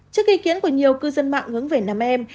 trước ý kiến của nhiều cư dân mạng hướng về nam em